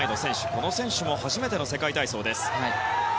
この選手も初めての世界選手権。